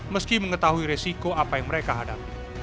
meski mengetahui resiko apa yang mereka hadapi